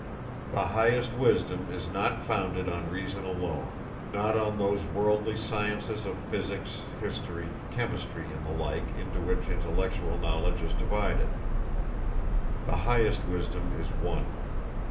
"The highest wisdom is not founded on reason alone, not on those worldly sciences of physics, history, chemistry, and the like, into which intellectual knowledge is divided. The highest wisdom is one.